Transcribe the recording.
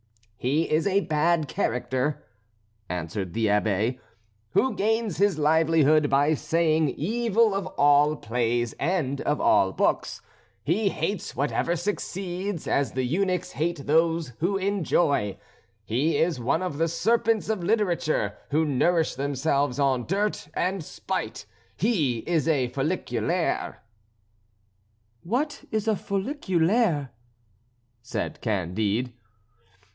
"He is a bad character," answered the Abbé, "who gains his livelihood by saying evil of all plays and of all books. He hates whatever succeeds, as the eunuchs hate those who enjoy; he is one of the serpents of literature who nourish themselves on dirt and spite; he is a folliculaire." "What is a folliculaire?" said Candide.